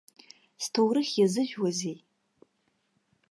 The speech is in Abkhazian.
Сҭоурых иазыжәуазеи?